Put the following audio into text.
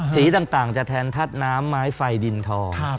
สีต่างจะแทนทัศน์น้ำไม้ไฟดินทอง